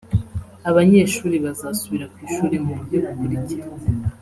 abanyeshuri bazasubira ku ishuri mu buryo bukurikira